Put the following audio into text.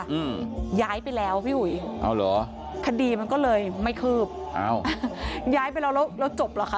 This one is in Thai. อืมย้ายไปแล้วพี่อุ๋ยเอาเหรอคดีมันก็เลยไม่คืบอ้าวย้ายไปแล้วแล้วจบเหรอคะ